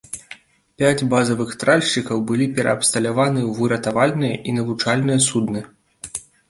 Пяць базавых тральшчыкаў былі пераабсталяваны ў выратавальныя і навучальныя судны.